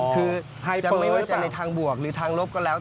คือไม่ว่าจะในทางบวกหรือทางลบก็แล้ว